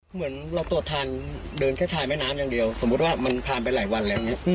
เหมือนเราตรวจทานเดินแค่ชายแม่น้ำอย่างเดียวสมมุติว่ามันผ่านไปหลายวันแล้วอย่างนี้